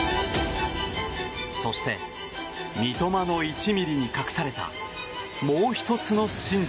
そして、三笘の１ｍｍに隠されたもう１つの真実。